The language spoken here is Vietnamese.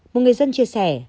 một người dân chia sẻ